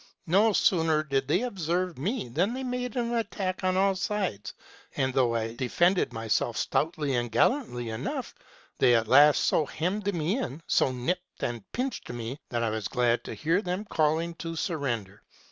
No sooner did they observe me than they made an attack on all sides ; and, though I defended myself stoutly and gallantly enough, they at last so hemmed me in, so nipped and pinched me, that I was glad to hear them calling to surrender.